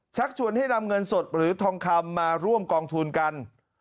ชักชวนให้นำเงินสดหรือทองคำมาร่วมกองทุนกัน